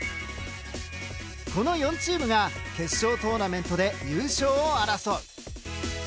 この４チームが決勝トーナメントで優勝を争う。